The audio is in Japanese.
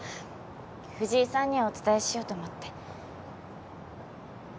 藤井さんにはお伝えしようと思って。